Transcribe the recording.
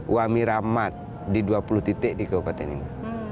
wamiramat di dua puluh titik di kabupaten ini